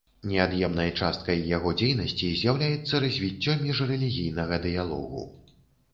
Неад'емнай часткай яго дзейнасці з'яўляецца развіццё міжрэлігійнага дыялогу.